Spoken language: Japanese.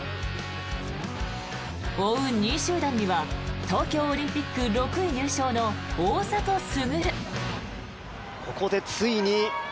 追う２位集団には東京オリンピック６位入賞の大迫傑。